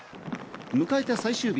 迎えた最終日。